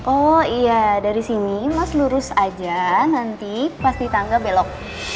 oh iya dari sini mas lurus aja nanti pas di tangga belok